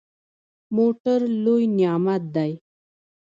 موټر لوی نعمت دی.